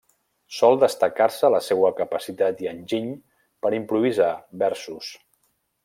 Sol destacar-se la seua capacitat i enginy per improvisar versos.